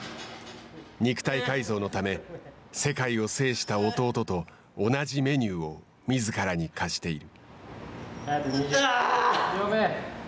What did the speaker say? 肉体改造のため世界を制した弟と同じメニューをみずからに課している。